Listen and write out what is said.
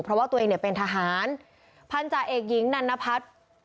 เพราะว่าตัวเองเนี่ยเป็นทหารพันธาเอกหญิงนันนพัฒน์